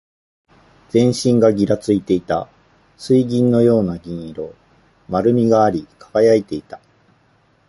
全身がぎらついていた。水銀のような銀色。丸みがあり、輝いていた。